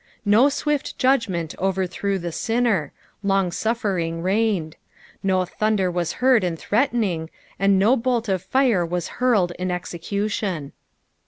'' No swift judgment overthrew the sinner — longauSering reigned ; no thunder was heard in threat ening, and no bolt of fire was hurled in execution.